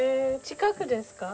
近くですか？